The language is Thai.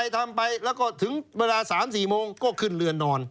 แต่ถึงเวลา๓๔โมงก็ขึ้นเรือนนอน